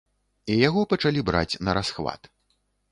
І яго пачалі браць нарасхват.